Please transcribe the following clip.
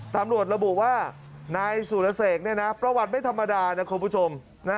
ตำรวจระบุว่านายสุรเสกประวัติไม่ธรรมดานะคุณผู้ชม